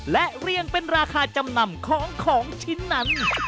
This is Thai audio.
และเรียงเป็นราคาจำนำของของชิ้นนั้น